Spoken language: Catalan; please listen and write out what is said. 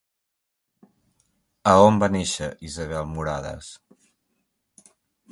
A on va néixer Isabel Muradas?